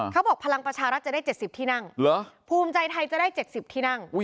พลังประชารัฐจะได้๗๐ที่นั่งภูมิใจไทยจะได้๗๐ที่นั่ง